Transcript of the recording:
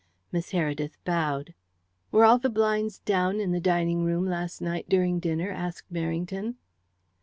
Miss Heredith bowed. "Were all the blinds down in the dining room last night during dinner?" asked Merrington.